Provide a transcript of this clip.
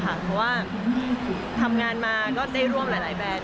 เพราะว่าทำงานมาก็ได้ร่วมหลายแบรนด์